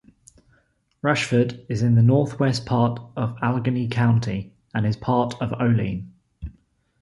Rushford is in the northwest part of Allegany County and is northeast of Olean.